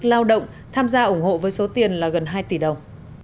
lao động tham gia ủng hộ với số tiền là gần hai tỷ đồng